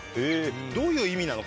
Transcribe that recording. どういう意味なの？